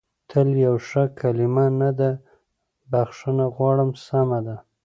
تل یوه ښه کلمه نه ده، بخښنه غواړم، سمه ده.